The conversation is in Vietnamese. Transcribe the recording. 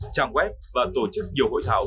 trang web và tổ chức nhiều hội thảo